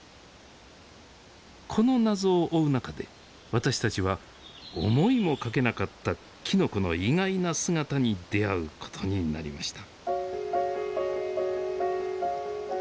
この謎を追う中で私たちは思いもかけなかったきのこの意外な姿に出会うことになりました。